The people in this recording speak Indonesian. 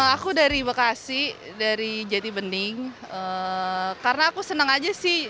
aku dari bekasi dari jati bening karena aku senang aja sih